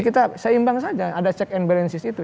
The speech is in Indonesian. kita seimbang saja ada check and balances itu